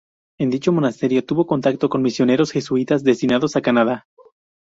En dicho monasterio tuvo contacto con misioneros jesuitas destinados a Canadá.